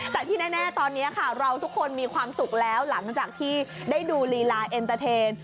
แต่ที่แน่ตอนนี้ค่ะเราทุกคนมีความสุขแล้วหลังจากที่ได้ดูลีลาเอ็นเตอร์เทน